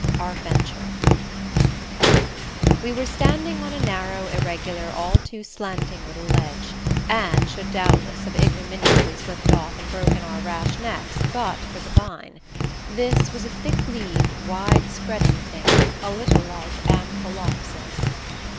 Our Venture We were standing on a narrow, irregular, all too slanting little ledge, and should doubtless have ignominiously slipped off and broken our rash necks but for the vine. This was a thick leaved, wide spreading thing, a little like Amphelopsis.